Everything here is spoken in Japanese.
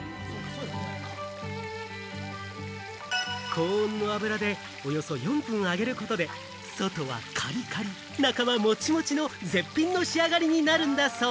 高温の油でおよそ４分揚げることで、外はカリカリ、中はモチモチの絶品の仕上がりになるんだそう。